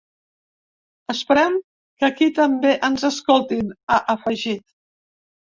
Esperem que aquí també ens escoltin, ha afegit.